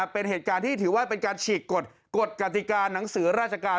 เป็นเหตุการณ์ที่ถือว่าเป็นการฉีกกฎกติกาหนังสือราชการ